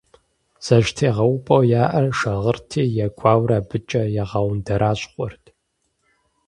ЗэштегъэупӀэу яӀэр шагъырти, я гуауэр абыкӀэ ягъэундэращхъуэрт.